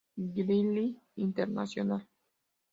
Grizzly Internacional.